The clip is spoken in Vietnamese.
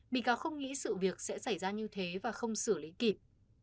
bị cáo không nghĩ sự việc sẽ xảy ra như thế và không xử lý kịp